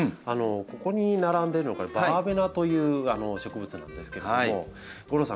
ここに並んでるのバーベナという植物なんですけども吾郎さん